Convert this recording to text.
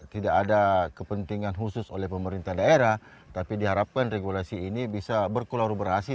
tidak ada kepentingan khusus oleh pemerintah daerah tapi diharapkan regulasi ini bisa berkolaborasi